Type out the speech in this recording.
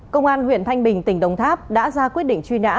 công an huyện thanh bình tỉnh đồng tháp đã ra quyết định truy nã